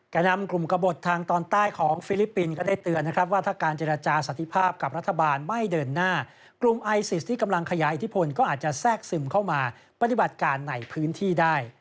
นำกลุ่มกระบดทางตอนใต้ของฟิลิปปินส์ก็ได้เตือนนะครับว่าถ้าการเจรจาสันติภาพกับรัฐบาลไม่เดินหน้ากลุ่มไอซิสที่กำลังขยายอิทธิพลก็อาจจะแทรกซึมเข้ามาปฏิบัติการในพื้นที่ได้